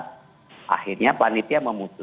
nah akhirnya panitia memutuskan